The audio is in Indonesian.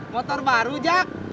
motor baru jak